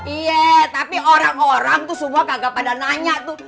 iya tapi orang orang tuh semua kagak pada nanya tuh